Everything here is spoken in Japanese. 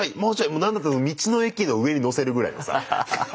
もうなんだったら道の駅の上にのせるぐらいのさ。